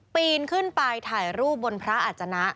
ปีนขึ้นไปถ่ายรูปบนพระอาจนะ